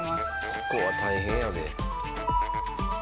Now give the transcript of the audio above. ここは大変やで。